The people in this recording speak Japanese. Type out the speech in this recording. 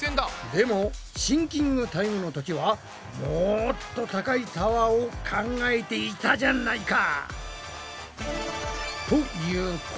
でもシンキングタイムの時はもっと高いタワーを考えていたじゃないか！